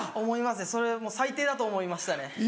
思いますねそれ最低だと思いましたね。